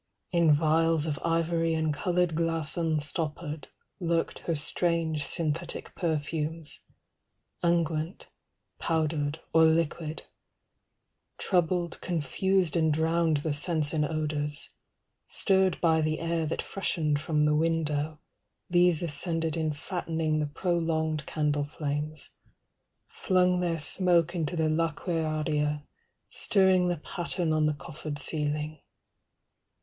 In vials of ivory and coloured glass Unstoppered, lurked her strange synthetic perfumes, Unguent, powdered, or liquid—troubled, confused And drowned the sense in odours; stirred by the air That freshened from the window, these ascended 90 In fattening the prolonged candle flames, Flung their smoke into the laquearia, Stirring the pattern on the coffered ceiling.